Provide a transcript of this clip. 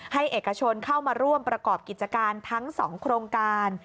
เอกชนเข้ามาร่วมประกอบกิจการทั้ง๒โครงการ